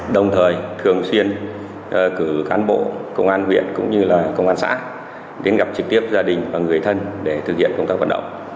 đồng thời thường xuyên cử cán bộ công an huyện cũng như công an xã đến gặp trực tiếp gia đình và người thân để thực hiện công tác vận động